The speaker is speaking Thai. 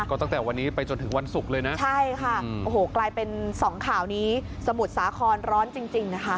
ก็ตั้งแต่วันนี้ไปจนถึงวันศุกร์เลยนะใช่ค่ะโอ้โหกลายเป็นสองข่าวนี้สมุทรสาครร้อนจริงนะคะ